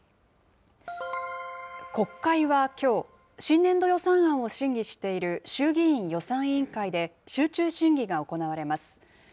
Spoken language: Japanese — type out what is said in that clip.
国会はきょう、新年度予算案を審議している衆議院予算委員会で、集中審議が行われます。